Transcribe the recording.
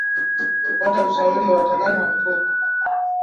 Kupata ushauri wa wataalamu wa mifugo